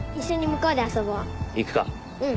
うん。